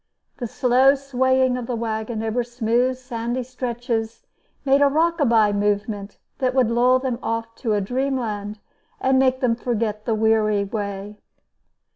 The slow swaying of the wagon over smooth, sandy stretches made a rock a by movement that would lull them off to dreamland and make them forget the weary way.